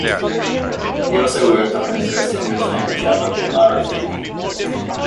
He also worked on her first English-language album "Lara Fabian".